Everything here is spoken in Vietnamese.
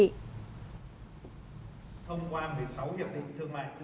phát biểu tại hội nghị